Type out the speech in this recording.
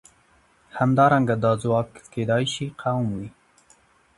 همدارنګه دا ځواک کېدای شي قوم وي.